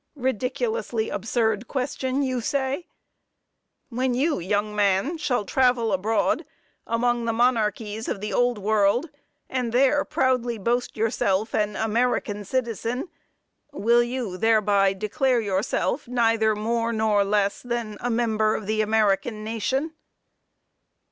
Ridiculously absurd question, you say. When you, young man, shall travel abroad, among the monarchies of the old world, and there proudly boast yourself an "American citizen," will you thereby declare yourself neither more nor less than a "member" of the American nation?